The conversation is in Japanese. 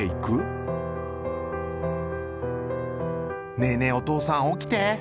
「ねえねえ、おとうさん、おきてー」。